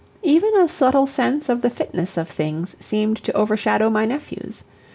Even a subtle sense of the fitness of things seemed to overshadow my nephews.